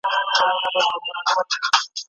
شاه شجاع د شپې په تیاره کې بالاحصار ته راغی.